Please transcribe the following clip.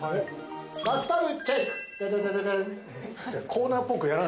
バスタブチェック。